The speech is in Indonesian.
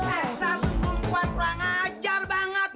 eh satu satu buah buah ngajar banget